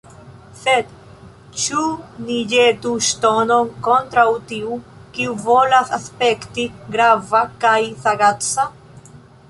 Sed ĉu ni ĵetu ŝtonon kontraŭ tiu, kiu volas aspekti grava kaj sagaca?